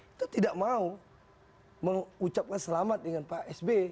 kita tidak mau mengucapkan selamat dengan pak sb